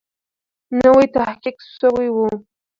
نوی تحقیق سوی وو.